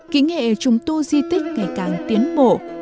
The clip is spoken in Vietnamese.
kỹ nghệ trùng tu di tích ngày càng tiến bộ